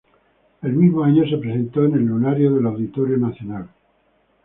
El mismo año se presentó en el Lunario del Auditorio Nacional.